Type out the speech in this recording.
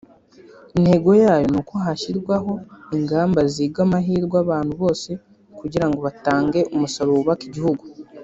Intego yayo ni uko hashyirwaho ingamba ziga amahirwe abantu bose kugira ngo batange umusaruro wubaka igihugu